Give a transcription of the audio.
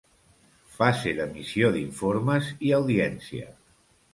Fase d'emissió d'informes i audiència.